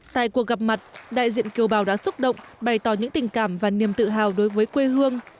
tại cuộc gặp mặt đại diện kiều bào đã xúc động bày tỏ những tình cảm và niềm tự hào đối với quê hương